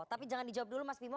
tapi jangan dijawab dulu mas bimo